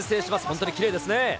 本当にきれいですね。